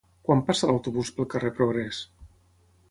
Quan passa l'autobús pel carrer Progrés?